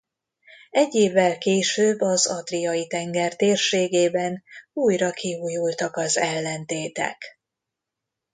Egy évvel később az Adriai-tenger térségében újra kiújultak az ellentétek.